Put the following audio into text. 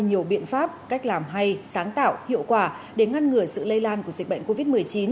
nhiều biện pháp cách làm hay sáng tạo hiệu quả để ngăn ngừa sự lây lan của dịch bệnh covid một mươi chín